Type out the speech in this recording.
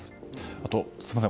あと、すみません。